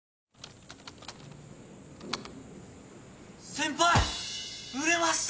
先輩売れました！